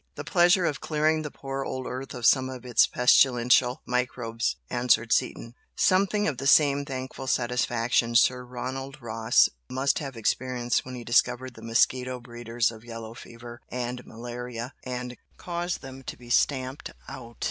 "The pleasure of clearing the poor old earth of some of its pestilential microbes!" answered Seaton, "Something of the same thankful satisfaction Sir Ronald Ross must have experienced when he discovered the mosquito breeders of yellow fever and malaria, and caused them to be stamped out.